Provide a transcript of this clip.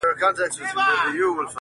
ما د ایپي فقیر اورغوي کي کتلې اشنا-